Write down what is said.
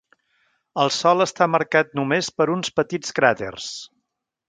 El sòl està marcat només per uns petits cràters.